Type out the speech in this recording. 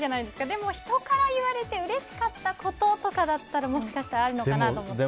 でも、人から言われてうれしかったこととかならもしかしたらあるのかなと思って。